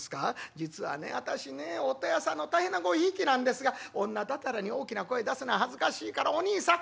『実はね私ね音羽屋さんの大変なごひいきなんですが女だてらに大きな声出すのは恥ずかしいからおにいさん